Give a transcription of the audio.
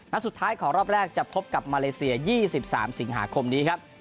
สุดท้ายของรอบแรกจะพบกับมาเลเซีย๒๓สิงหาคมนี้ครับ